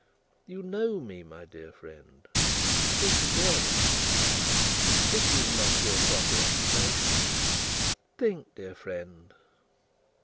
"You know me, my dear friend? Think again. This is not your proper occupation. Think, dear friend!"